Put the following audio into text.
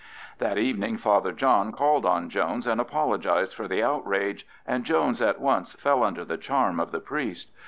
That evening Father John called on Jones and apologised for the outrage, and Jones at once fell under the charm of the priest.